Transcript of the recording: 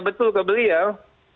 betul ke beliau